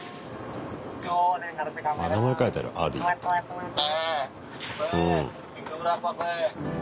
名前書いてある「アディー」って。